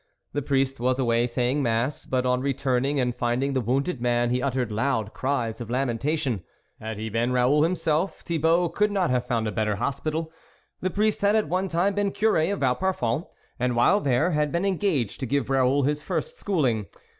The priest was away saying mass, but on returning and finding the wounded man, he uttered loud cries of lamentation. Had he been Raoul himself, Thibault could not have found a better hospital. The priest had at one time been Cure of Vauparfond, and while there had been engaged to give Raoul his first schooling.